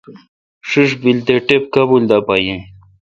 بیل تے ٹپ کابل دا پا یین۔